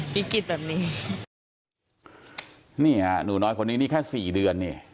วิกฤตแบบนี้นี่ฮะหนูน้อยคนนี้นี่แค่สี่เดือนนี่